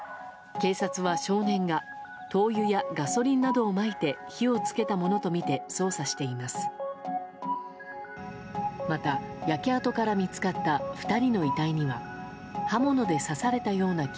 警察は、少年が灯油やガソリンなどをまいて火を付けたものとみて捜査しています。